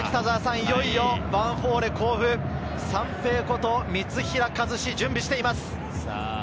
いよいよヴァンフォーレ甲府、サンペイこと三平和司が準備しています。